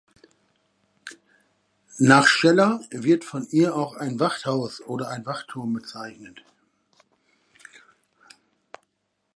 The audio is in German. Nach Scheller wird von ihr auch ein Wachthaus oder ein Wachtturm bezeichnet.